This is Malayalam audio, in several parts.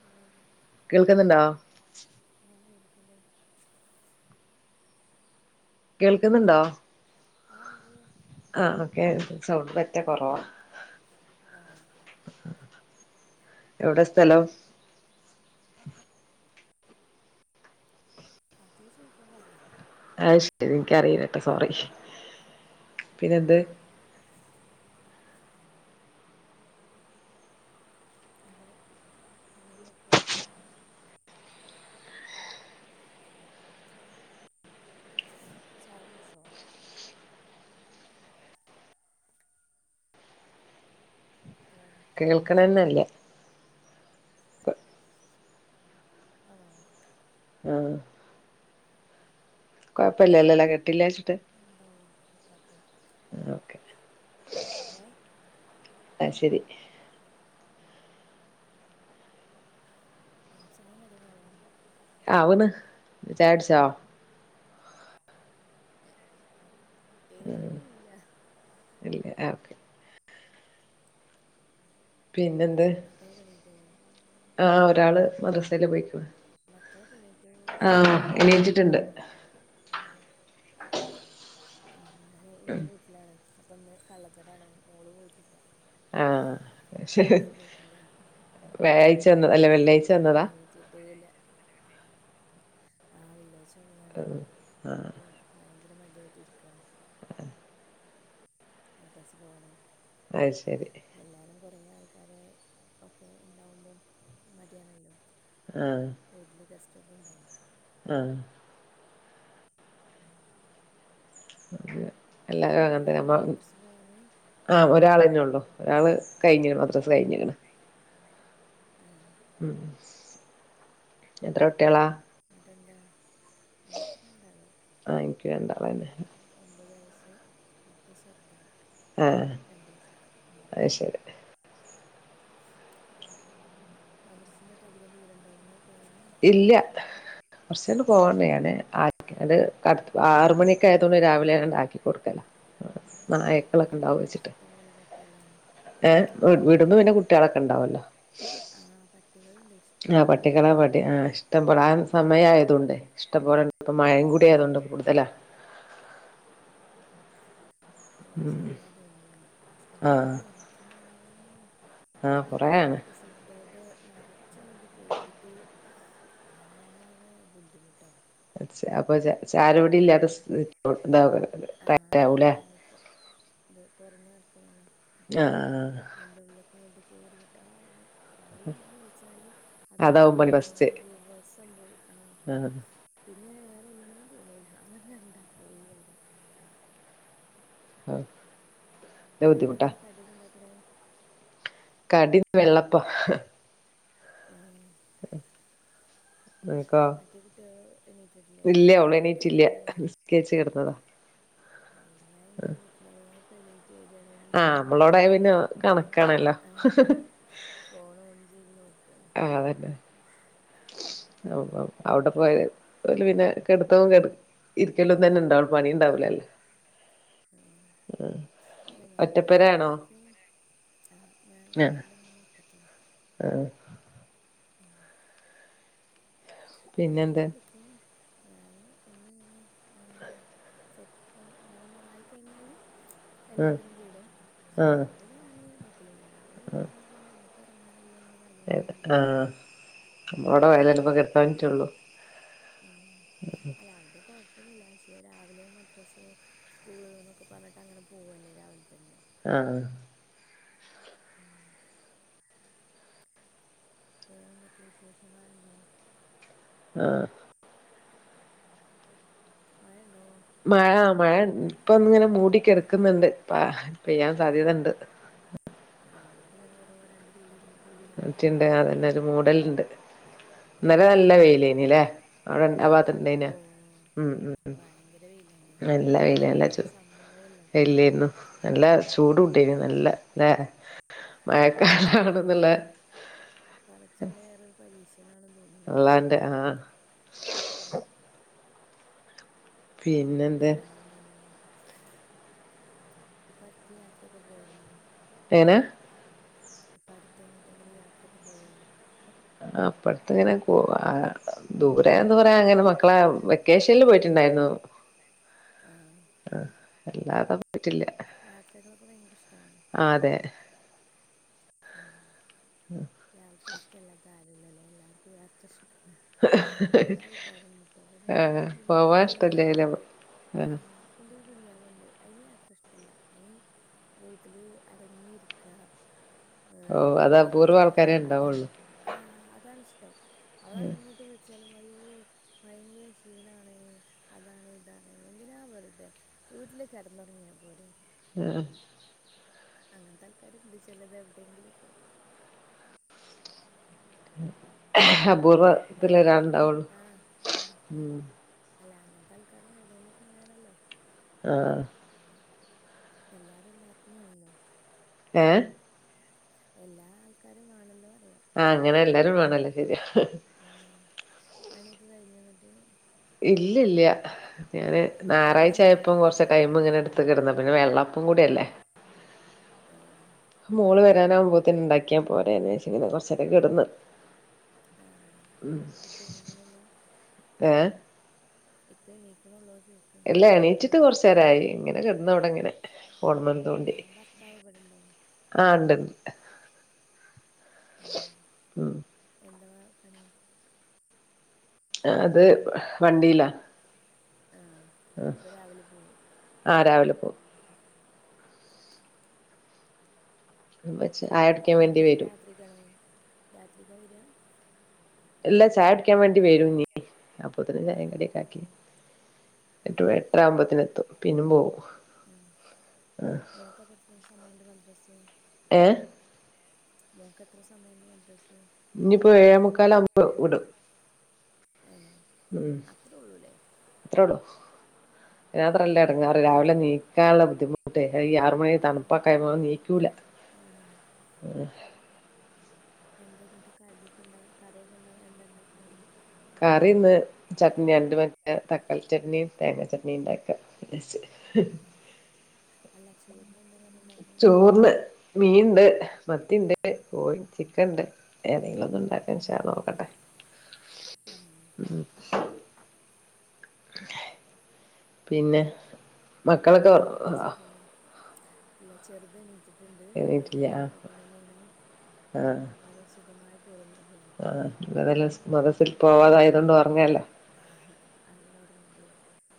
ഹലോ കേൾക്കുന്നിണ്ടാ? ആഹ് കേൾക്കണ്ട് കേൾക്കുന്നുണ്ടോ ആഹ് ണ്ട് ആഹ് ഓക്കെ സൗണ്ട് പറ്റ കുറവാ ആഹ് എവിടെ സ്ഥലം അത് ചോയിക്കാൻ പാടില്ല അയ് ശരി ഇന്ക് അറിയിലട്ടോ സോറി പിന്നെ എന്ത് ആഹ് എന്ത പണി ങ്ങക്ക് ചായ കുടിച്ചോ ഹലോ കേൾക്കണേന്നെല്ല ആണോ ആഹ് കൊഴപ്പല്ലാലോലെ കെട്ടില്ലാച് തെ എന്താവോ കേൾക്കാത്തെ ഓക്കെ ആഹ് ആഹ് ശരി ആഹ് ചായിം യ കടിംകെ ആയോ ആവുന്ന് ചായൊടിച്ചോ? ഏഹ് ഇല്ല അഹ് ഓക്കെ പിന്നെന്ത് മക്കളൊക്കെ എണീറ്റോ ആഹ് ഒരാള് മദ്രസയില് പോയിക്ണ് മക്കളൊക്കെ എണീറ്റോ ചോയ്ക്ക എണീറ്റിട്ടുണ്ട് ആഹ് ആഹ് ഞാന് ഇന്റെ വീട്ടിലാണ് അപ്പൊ ന്ന് കള്ളത്തരാണോ മോള് പോയിട്ട്ല്ല ആഹ് ക്ഷെ പോയിട്ടില്ല വ്യാഴാഴ്ച വന്ന അല്ല വെള്ളിയാഴ്ച വന്നതാ എണീറ്റിട്ടേ ഇല്ല ആഹ് വെള്ളിയാഴ്ച അ ഹ് ആഹ് ങ്കര മടിയായിട്ടിരിക്കാണ് അഹ് മധസ് പോവാന് അഹ് ശരി കുറേ ആൾക്കാരെ ഒക്കെ ണ്ടാവുമ്പം മടിയാണല്ലോ ആഹ് ഗെസ്റ്റൊക്കെണ്ടാവോ ആ അ എല്ലാരും അങ്ങൻത്തെന്നെ ഒരാളുള്ളൂ പർഞ് മദ്രസ പോകാൻ ആഒരാളെന്നെ ഒള്ളൂ ഒരാള് കയ്ഞ് മദ്രസ് കയ്ഞ്ക്ക്ണ് [inaudible] ഉം എത്ര കുട്ട്യാളാ എന്നിട്ട് എനിക്ക് രണ്ടാള് ആ എനിക്ക് ഒരാള് എ രണ്ടാളന്നെ ഒമ്പത് വയസ്സ് ത് പറ്റെ ചെർതാണ് ആ അത് ശെരി മദ്രസ്ന്ന്ട്ട് അധികം ദൂരണ്ടോ അവ്ട്ന്ന് പോവാൻ ഇല്ല കൊർച്ചണ്ട് പോവാൻ [unintelligible] ആ അത് തണ് ആറ്മണിയൊക്കായതോണ്ട് രാവിലെ ഞാൻണ്ടാക്കി കൊടുക്കല ആ പട്ട്യാളൊക്കെണ്ട് ഇഷ്ടം പോലെ പട്ട്യാള് ഏ വിട് വിടുമ്പോ പിന്നെ കുട്ട്യാളൊക്കെണ്ടാവല്ലോ ആ പട്ടികള് ണ്ടേ ഇഷ് ആ പട്ടികള് പട്ടികള് ആ ഇഷ്ടമ്പോലെ ആ ഉം സമയായതോണ്ടെ ഇഷ്മ്പോലെ ഇപ്പ മഴം ഉം കൂടി ആയതോണ്ട് തല ഓരോ ഉം സമയ തോന്ന്ണ്ണ്ട് ആ ഇഷ്ടംപോലെണ്ട് എത്രങ്ങാനാ ആ കൊറേ ആണ് ഇവടൊക്കെ സിറ്റഔട്ട് നറച്ച്ങ്ങട്ട് കേറിട്ട് ആകെ ബുദ്ധിമുട്ടാവും അ അപ്പൊ ച ചാരുപടി ഇല്ലാത്ത സ് ആഹ് [unintelligible] അപ്പൊ അയ്ന്റെ ഉള്ള്ക്ക്ങ്ങട്ട് കേറിട്ടാകെ രാവിലെങ്ങട്ട് ണീച്ചാല് അതണ്ട് അതാവുമ്പോ കണ്ട ഫസ്റ്റ് അന്നത്തെ ദിവസം പോയി ആ ആഹ് പിന്നെ വേറൊന്നിനും തോന്നൂല അതണ്ട് കണ്ടാ പോയി കാര്യം [unintelligible] [inaudible] ബുദ്ധിമുട്ടാ കടിയക്ക ഇണ്ടാക്കണേ? കടി വെള്ളപ്പം ഉം നിനക്കോ മറ്റേ കുട്ടികള് ഇല്ല അവള് എണീറ്റട്ടില്ലല്ലെ എണീറ്റില്ല എനിക്കറിയില്ല [inaudible] ഞാൻ ആ എൻ്റെ വീട്ടിലാ ഞാൻ ഇപ്പോ എണീറ്റ് വരികയാണ് എണീറ്റ് ആഹ വന്ന് നമ്മളോടെ പിന്നെ കണക്കാണല്ലോ കോണ ഒന്ന ചെയ്ത് നോക്ക ആഹതന്നെ ആ അവിടെ പോയത് അല പിന്നെ കെടുത്തും ഇരിക്കലും തന്നെ ഇണ്ടാവുള്ള പണിയ ഉണ്ടാവലല്ലേ ആഹ അല്ല ഞാൻ പണിയൊക്കെ ഒറ്റപ്പെരാണോ എടുക്കും ആ് ഞാൻ അവിടെ ആഏ ഉം പണിക പിന്നെന്താ എടുക്കും ഞാാന് ഒന്ന് ഇങ്ങനെ സെറ്റ് ഇങ്ങനെ ഒന്ന് ആയി കഴിഞ്ഞാല് ആഹ് എല്ലാത്തിനും കൂടും പക്ഷെ ആഹ് രാവിലെ ണ് നോക്കലല്ല രാവിലെ പറഞ്ഞ പോലെ നമ്മുക്ക് ഉറങ്ങാൻ അവിടെ ഉം വയലന്നപ്പോ കിർക്കാൻ പറ്റുള്ളു ഒന്നുമല്ല പക്ഷേ രാവിലെ മദ്രസ്സ് സ്കൂൾ എന്നൊക്കെ പറഞ്ഞിട്ട് അങ്ങനെ പോവല്ലേ രാവിലെ തന്നെ ആഹ ഉം വേതെന്തൊക്കെയ വി ശേഷമാരുണ്ടോ ആഹ മഴല്ലോ മഴ മഴ ഇപ്പ ഒന്ന ഇങ്ങനെ മൂടിിക്കിടക്കുന്നുണ്ട് ഇ പെയ്യാൻ സാധ്യതണ്ട് അ രണ്ട് തുള്ളി ഇങ്ങനെ മറ്റണ്ട് ഇടുന്നുണ്ട് അതന്നെ ഒരു മോഡല ഉണ്ട് ഉം അന്നരെ നല്ല വെയില ഇനല്ലേ അവിടെ ഇണ്ടാ ഓ പാത്തണ്ടന ഉം ഉം ഉ ഭയങ്കര വെയിലാണ് നല്ല വല മഴന്ന് നല്ല പറഞ്ഞ ച സംഭവേ ഇല്ല ഉം വലരുന്നു നല്ല ചൂടു ഉണ്ടായിു നല്ല ത പടച്ചോന് പടച്ചോന്റെ വേറൊരു പരീക്ഷ എന്നാാണ് തോന്നുന്നത് ഉള്ളാന്റെ ആഹ ഉം പിന്നെന്താ ഇപ്പ അടുത്ത് യാത്രയൊക്കെ പോയിരുന്നു ഏനെ ഇപ്പ അടുത്ത എങ്ങിട്ടെങ്കിലും യാത്രൊക്കെ പോയാവോ ആ അപ്പഴത്തെ ഇങ്ങനെ ദൂരെ എന്ത പറയാ അങ്ങനെ മക്കളെ വെക്കേഷനിൽ പോയിട്ടു ണ്ടായിരുന്നു ആഹ് ആ എല്ലാത- പറ്റില്ല യാത്രകളൊക്കെ ഭയങ്കര ഇഷ്ടാണോ ആ അതെ! ഉം യാത്ര ഇഷ്ടല്ലാത്ത ആരൂല്ലല്ലേ എല്ലാർക്കും യാത്ര ഇഷ്ടം ആ ചില ആൾക്കാരുണ്ട് കേട്ടോ ഇവിടെ എന്റെ ഒരു കുഞ്ഞാമുണ്ട് ഉ അതിന് യാത്ര ഇഷ്ടല്ല അതിന് വീട്ടില് അടങ്ങിയിരിക്കുക. ഓ അത- തിരിക അതാ ആഹ അതാണിഷ്ടം അവളങ്ങോട്ട് വിളിച്ചാലും പറയ- ഭയങ്കര ക്ഷീണാണ് അതാണ് ഇതാണ് എന്തിനാ വെറുതെ വീട്ടില് കിടന്ന തുടങ്ങിയാ പോലെ ഉം അങ്ങനത്തെ ആൾക്കാരുണ്ട് ചിലത് എവിടെയെങ്കിലുംക്കെ അപൂർവത്തില അത് ഒരാണ്ടാവള്ളു! ആ ആ അല്ല അങ്ങനത്തെ ആൾക്കാരും എവിടെതേങ്കലുംക്കെ വേണല്ലോ. ആഹ! എല്ലാരും എല്ലാർക്കും വേണല്ലോ. ഏ എല്ലാ ആൾക്കാരുംമാണെന്ന് പറയാ. ആഹ്! അങ്ങനെ എല്ലാരും വേണല്ലേ ശരിയ. ഉം പനിയൊക്കെ കഴിഞ്ഞു വന്നിട്ട്- ഇല്ലല്ല ഞാാന് ഞായറാഴ്ച തുടങ്ങിയോ ആയപ്പം കൊറച്ച ടൈമ ഇങ്ങനെ എടുത്ത് കിടന്ന പിന്നെ വെള്ളപ്പം കൂടി അല്ലേ ആഹ! [unintelligible] മോള് വരാനാവകുമ്പോത്തന്നെ ഇണ്ടാക്കിയാ പോര ഇങ്ങനെ കൊറച്ചൊക്കെ കിടന്ന് ആ ഉ ഇപ്പം എണീക്കണുള്ളൂ ഏ ഇപ്പേ ണീക്കണ ലോ എല്ല എണീച്ചിട്ട് കുറച്ചു നേരായി ഇങ്ങനെ കിടന്ന അവിടെ ഇങ്ങനെ [inaudible] ആ ഓണ്മന്ന്തണ്ടി ഭർത്താവ് ഇവിടെണ്ടോ ആഹ! ഉണ്ടണ്ട് ആ ഉ [inaudible] അത് വണ്ടിലാ ആ ഇപ്പ [unintelligible] രാവിലെ പോവും ആ രാവിലെ പോ ഉമ്മച്ചി ചായ കുടിക്കാൻ വേണ്ടി എന്നിട്ട് വരും രാത്രിക്കണ രാത്രിക്ക വരിക [unintelligible] എല്ലാ ചായ അടിക്കാൻ വേണ്ടി വരും നീ അപ്പൊത്തെ ചായ ആ കടിക്ക ആ ആക്കി ആ റ്റ എട്ട ആവുമ്പോത്തിന എത്തും പിന്നും പോകവും ഉ മോക്ക്ക്ക എത്ര ദിവസംമ്മേണ്ട് വ ദിവസ ഏഹ് [unintelligible] നമക്ക് എത്ര സമയം വ്രസ്സ് [unintelligible] ഇനിയിപ്പോ ഏഴേ മുുക്കാല ആവുമ്പോ വിടും ഏ അത്രേ ഉള്ളൂല്ലേ ഉംത്രള്ളൂ! ആ രാത്രല്ലേ ഇടങ്ങാറ് എണ്ണ രാവിലെ നീക്കാനുള്ള ബുദ്ധിമുട്ടേ ആരുമ തണുപ്പാക്കായ്മ നീക്കൂല ഉം [unintelligible] ഉം [unintelligible] [inaudible] എന്താ എന്നിട്ട് കണ്ട കറിയൊക്കെണ്ട എന്താണ്ടാക്കണന്ന്? കറിന്ന് ചട്നി രണ്ട മറ്റ തക്കാളി ചട്നിയും തേങ്ങാ ചട്നിയും ഉണ്ടാക്ക ഉ അല്ല ചോറിന് എന്താ കറി? ഉണ്ടാക്കണേ ചോറിന്ന് മീ- ഉണ്ട് മത്തിയ ഉണ്ട് പോയി ചിക്കൻ ഉണ്ട് ഏതെങ്കിലും ഒന്നും ഉണ്ടാക്കച്ചാ നോക്കട്ടെ ഉ [unintelligible] ഉം [inaudible] പിന്നെ മക്കളൊക്കെഓ പിന്നെ നല്ല സുഖല്ലേ ഇല്ല ചെറുത നീട്ടട്ട ണ്ട് എണീറ്റില്ല വലുത് ഉറങ്ങനെയാണ് നത് സു [unintelligible] ആഹ ഇതെല്ലാം മതസിൽ പോവാതായ അണ്ട് പറഞ്ഞല്ലോട് അങ്ങനെ ഉറങ്ങാലോ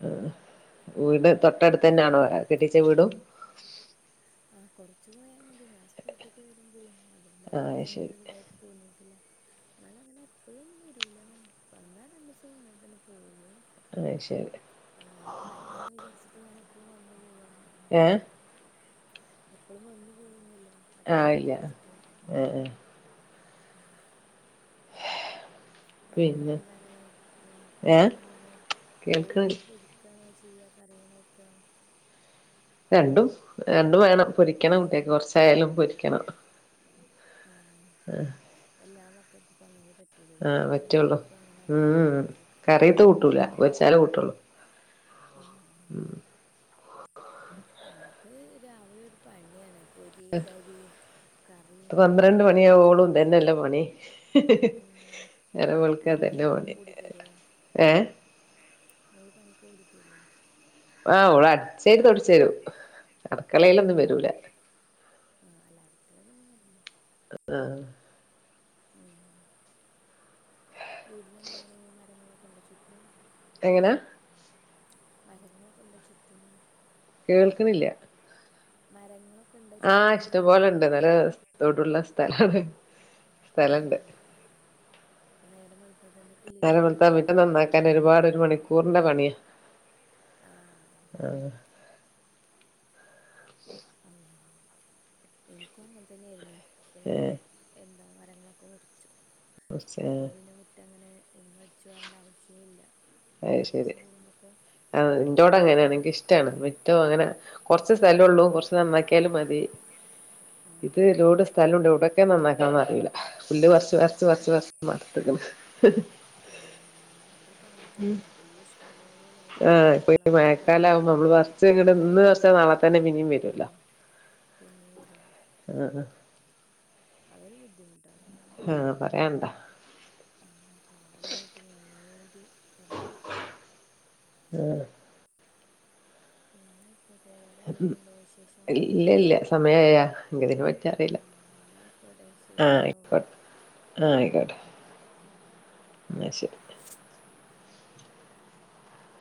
[unintelligible] തൊട്ടടുത്ത് തന്നെയാണോ കെട്ടിച്ച വീടും കുച്ചു പോയാ മതി ഞാൻ സ്കൂട്ടിക്ക് വരുമ്പ പോകും ആ അതുകൊണ്ട്ത് അത്ര വലിയൊ ശരി ഇതായിട്ട് തോന്നിയിട്ടില്ല എന്നാലും അങ്ങനെ എപ്പഴുംന്നും വരൂല വന്നാല രണ്ടു ദിവസം തോന്നിട്ട്ന്നെ പോളൂ അ ശരി അടുത്താണ് വിചാരിച്ചിട്ട് ഞാൻ എപ്പോഴും വന്ന് പോവാ ഏഹ [unintelligible] എപ്പഴും വന്നു പോവന്നില്ല ആഹയില്ല ആ ഉ [unintelligible] നിരങ്ങളെ പിന്നെ എന്താണ് ഏ കോഴിങ്ങനെ കോഴി കേൾക്ക ഇങ്ങനെ പൊക്കാണ ചെയ്യക്കെ അറിയണം വെക്ക [unintelligible] രണ്ടും രണ്ടും വേണം പൊരിക്കണം കുട്ടിയക്ക് കൊറച്ചായാലും പൊരിക്കണം ഉം [unintelligible] [inaudible] ആഹ് കറിയൊന്നും പറ്റുള്ളൂ ആർക്കും അങ്ങനെ അധികം ഇം പറ്റൂല കറിയെത്ത് കൂട്ടൂല്ല വെച്ചാലേ കൂട്ടൊള്ളു ഉം നമ്മുക്ക് രാവിലെ ഒരു പണിയാണ്. പൊരിയും കരിയും കറിയും പന്ത്രണ്ട് മണിയാവോളും ഇതന്നെല്ലെ പണി. ഉം നേരം വെള്ക്കാ മോള് ഇതന്നെ പണിക്കൊക്കെ പണി കൂടി തരോ ഏഹ് [inaudible] ആഹ് ഓള് അടിച്ചേരി തൊടച്ചെരും ഏ അടക്കളേലൊന്നും വരൂല്ല [inaudible] ആഹ് ഉം [inaudible] എന്താണ് മരങ്ങളൊക്കെ ഉണ്ടോ ചുറ്റും എങ്ങനാ മരങ്ങളൊക്കെ ഇണ്ടൊ ചുറ്റും കേൾക്കണില്ല്യ മരങ്ങളൊ ആഹ് ഇഷ്ട്ടംപോലെണ്ട് നല്ല സ്ഥലാണ് സ്ഥലണ്ട് അപ്പം നേരം വൈ നേരം വെളുത്താ മുറ്റം നന്നാക്കൻ ഒരുപാട് ഒരു മണിക്കൂറിന്റെ പണിയാ. ആഹ് ആഹ് അല്ലാ എനിക്കും അങ്ങനെ തന്നെയായിരുന്നു ഇപ്പൊ ഏഹ് ഞാന് എന്താ മരങ്ങളൊക്കെ മുറിച്ചു. കുറച്ച് അപ്പൊ ഏഹ് പിന്നെ മുറ്റങ്ങനെ എന്നും അടിച്ചു വാരണ്ട ആവശ്യേ ഇല്ല നാല് ദിവസം കൂടുമ്പോക്കെ അഹ് ഇൻ്റോടെ അങ്ങനെയാണ് എനക്കിഷ്ടാണ് മിറ്റോ അങ്ങനെ കൊറച്ച് സ്ഥലോ ഉള്ളൂ കൊറച്ച് നന്നാക്കിയാലും മതി ഇത് ആഹ് ലോഡ് സ്ഥലോണ്ട് ഇവിടെ ക്കെയാ നന്നാക്കണന്ന് അറിയൂല പുല്ല് പറച്ച് പറച്ച് മടുത്തക്കണ് ആഹ് അവിടെയൊക്കെ അങ്ങനെ [inaudible] പുല്ല് ഇഷ്ട്ടം പോലെയായിട്ട് ആഹ് ഇങ്ങിട്ട് ഇപ്പൊ ഈ വളർന്നിട്ട് മഴക്കാലം മഴക്കാലായിട്ടേ [unintelligible] ഇനിയും വരുവല്ലോ ഉം പിന്നെ വരാണ് ആഹ് അതൊരു ബുദ്ധിമുട്ട് ആഹ് പറയാനുണ്ടോ ആഹ് കാട്ങ്ങട്ട് മൂടി കെടക്കും ആഹ് ഉം ഇന്നായ് ഉം ഇല്ല ഇല്ല സമയായാ ഇനിക്കതിനെ പറ്റി അറിയില്ല വടെ ശരി ആഹ് ട്ടോ ആയിക്കോട്ടെ ആഹ് അയ്ക്കോട്ടെ ഇന്നാ ശരി